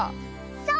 そう！